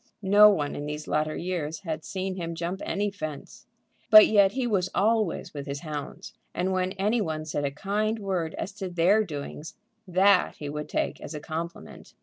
No one in these latter years had seen him jump any fence. But yet he was always with his hounds, and when any one said a kind word as to their doings, that he would take as a compliment.